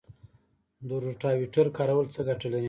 د روټاویټر کارول څه ګټه لري؟